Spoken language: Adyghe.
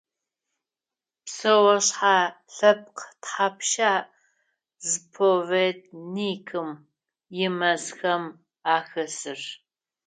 Псэушъхьэ лъэпкъ тхьапша заповедникым имэзхэм ахэсыр?